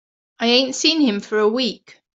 I ain't seen him for a week.